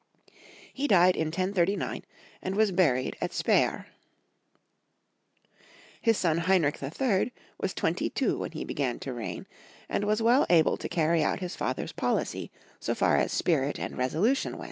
He died in 1039, and was buried at Speyer. His son Hemrich III. was twenty two when he began to reign, and was well able to carry out liis father's policy, so far as spirit and resolution went.